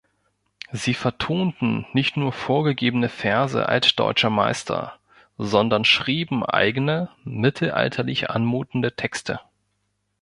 Sie vertonten nicht nur vorgegebene Verse altdeutscher Meister, sondern schrieben eigene, mittelalterlich anmutende Texte.